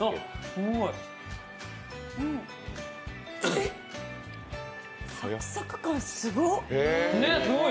えっ、サクサク感、すごい。